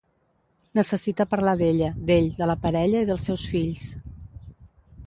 Necessita parlar d’ella, d’ell, de la parella i dels seus fills.